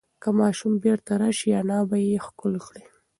که ماشوم بیرته راشي، انا به یې ښکل کړي.